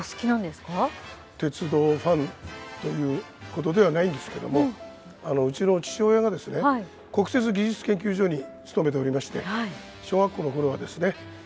鉄道ファンということではないんですけどもうちの父親がですね国鉄技術研究所に勤めておりまして小学校の頃はですね